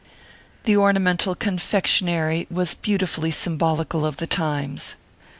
The ornamental confectionary was beautifully sym bolical of the times.